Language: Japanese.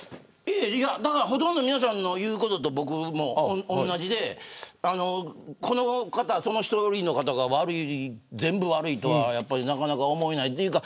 僕、ほとんど皆さんの言うことと同じで１人の方が全部悪いとはなかなか思えないというか。